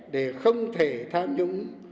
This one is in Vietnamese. để không thể tham nhũng